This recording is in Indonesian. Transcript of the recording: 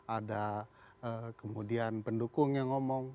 ada kemudian pendukung yang ngomong